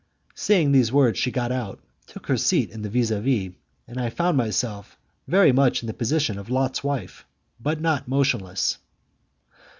And saying those words she got out, took her seat in the vis a vis, and I found myself very much in the position of Lot's wife, but not motionless.